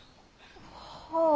はあ。